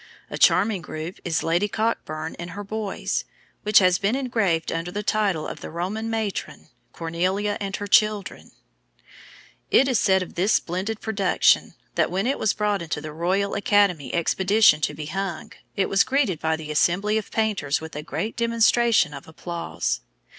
A charming group is Lady Cockburn and her Boys, which has been engraved under the title of the Roman matron Cornelia and her Children. It is said of this splendid production, that when it was brought into the Royal Academy exhibition to be hung, it was greeted by the assembly of painters with a great demonstration of applause.